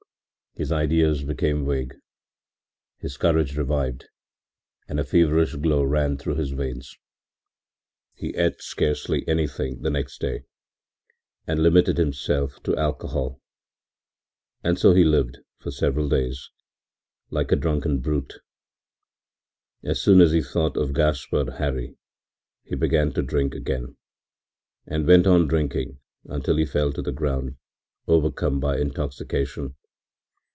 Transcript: His ideas became vague, his courage revived and a feverish glow ran through his veins. He ate scarcely anything the next day and limited himself to alcohol, and so he lived for several days, like a drunken brute. As soon as he thought of Gaspard Hari, he began to drink again, and went on drinking until he fell to the ground, overcome by intoxication.